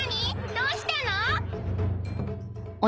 どうしたの？